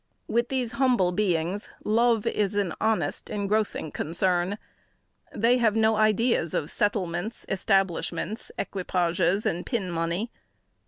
With these humble beings love is an honest, engrossing concern. They have no ideas of settlements, establishments, equipages, and pin money.